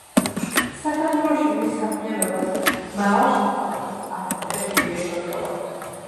სათათბიროში მის საქმიანობას მაღალ შეფასებას აძლევდა ილია ჭავჭავაძე.